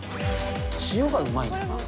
塩がうまいんだ。